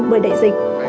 bởi đại dịch